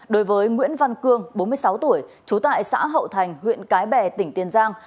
đối với nguyễn văn cương bốn mươi sáu tuổi trú tại xã hậu thành huyện cái bè tỉnh tiền giang